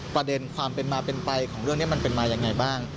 ประเด็นความเป็นมาเป็นไปของเรื่องนี้มันเป็นมายังไงบ้าง